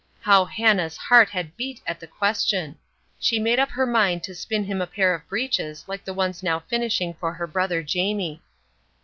How Hannah's heart had beat at the question. She made up her mind to spin him a pair of breeches like the ones now finishing for her brother Jamie.